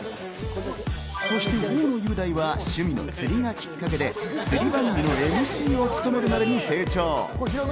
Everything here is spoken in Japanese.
そして大野雄大は趣味の釣りがきっかけで釣り番組のＭＣを務めるまでに成長。